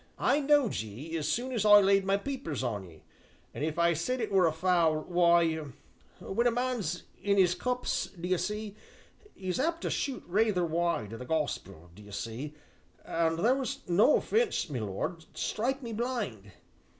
I knowed ye as soon as I laid my 'peepers' on ye, an' if I said as it were a foul, why, when a man's in 'is cups, d'ye see, 'e's apt to shoot rayther wide o' the gospel, d'ye see, an' there was no offence, my lord, strike me blind!